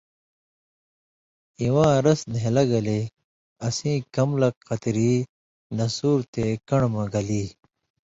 اِواں رس نھیلہ گلے اسیں کم لک قطری نسُور تے کن٘ڑہۡ مہ گلی۔